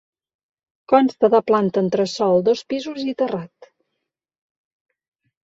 Consta de planta, entresòl, dos pisos i terrat.